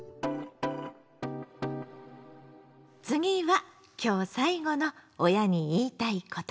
次は今日最後の「親に言いたいこと」。